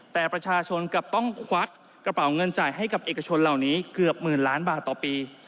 แต่ประชาชนกลับต้องควักกระเป๋าเงินจ่ายให้กับเอกชนเหล่านี้เกือบหมื่นล้านบาทต่อปี